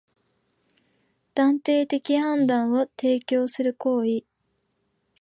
断定的判断を提供する行為